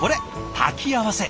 炊き合わせ。